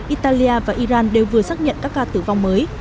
italia và iran đều vừa xác nhận các ca tử vong mới